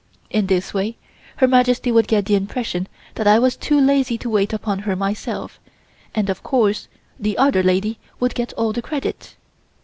In this way Her Majesty would get the impression that I was too lazy to wait upon her myself, and of course the other lady would get all the credit.